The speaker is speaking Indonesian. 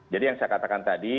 jadi yang saya katakan tadi